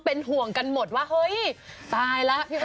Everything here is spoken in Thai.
สวัสดีค่ะสวัสดีค่ะ